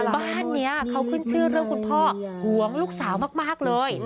บ้านนี้เขาขึ้นชื่อเรื่องคุณพ่อห่วงลูกสาวมากเลย